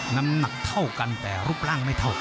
น้ำหนักเท่ากันแต่รูปร่างไม่เท่ากัน